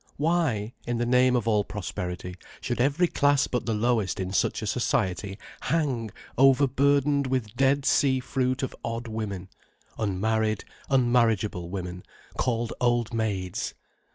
Why, in the name of all prosperity, should every class but the lowest in such a society hang overburdened with Dead Sea fruit of odd women, unmarried, unmarriageable women, called old maids?